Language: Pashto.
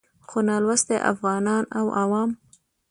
خو نالوستي افغانان او عوام